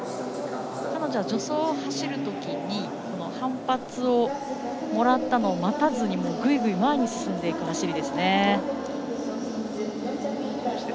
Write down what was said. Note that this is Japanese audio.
彼女は助走を走るときに反発をもらったのを待たずに、ぐいぐい前に進んでいく走りです。